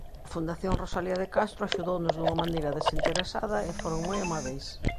A Fundación Rosalía de Castro axudounos dunha maneira desinteresada e foron moi amábeis.